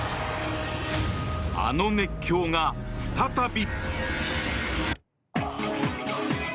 あの熱狂が再び。